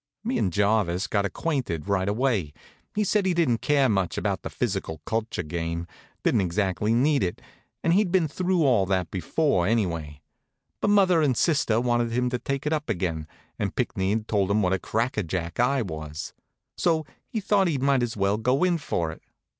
Me and Jarvis got acquainted right away. He said he didn't care much about the physical culture game didn't exactly need it, and he'd been through all that before, anyway but, mother and sister wanted him to take it up again, and Pinckney'd told what a crackerjack I was; so he thought he might as well go in for it.